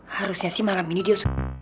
harusnya sih malam ini dia suka